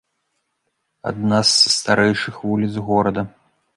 Адна са старэйшых вуліц горада.